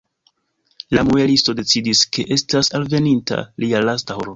La muelisto decidis, ke estas alveninta lia lasta horo.